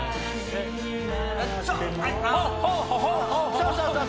そうそうそう。